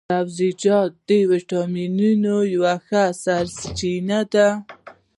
سبزیجات د ویټامینو یوه ښه سرچينه ده